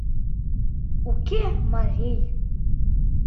— Уке, марий!